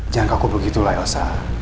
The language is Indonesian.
jangan kaku begitu lah osa